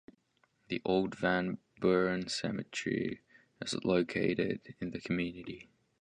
The Old Van Buren Cemetery is located in the community.